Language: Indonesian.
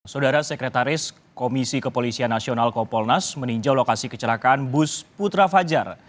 saudara sekretaris komisi kepolisian nasional kompolnas meninjau lokasi kecelakaan bus putra fajar